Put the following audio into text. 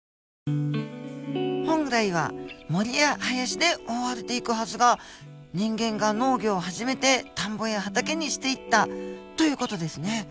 本来は森や林で覆われていくはずが人間が農業を始めて田んぼや畑にしていったという事ですね。